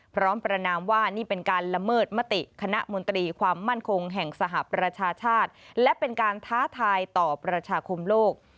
ประนามว่านี่เป็นการละเมิดมติคณะมนตรีความมั่นคงแห่งสหประชาชาติและเป็นการท้าทายต่อประชาคมโลก